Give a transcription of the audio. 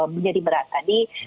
menjadi berat tadi